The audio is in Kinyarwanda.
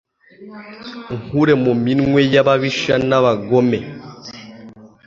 unkure mu minwe y’ababisha n’abagome